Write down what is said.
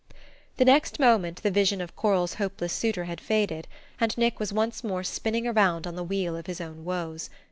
The next moment the vision of Coral's hopeless suitor had faded, and Nick was once more spinning around on the wheel of his own woes.